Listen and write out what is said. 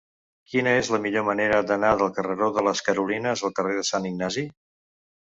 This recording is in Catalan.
Quina és la millor manera d'anar del carreró de les Carolines al carrer de Sant Ignasi?